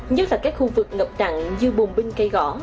nhất là các khu vực ngập đặn như bồn binh cây gõ